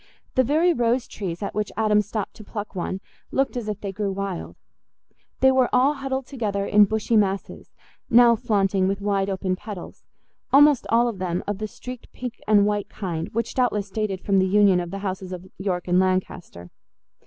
The very rose trees at which Adam stopped to pluck one looked as if they grew wild; they were all huddled together in bushy masses, now flaunting with wide open petals, almost all of them of the streaked pink and white kind, which doubtless dated from the union of the houses of York and Lancaster.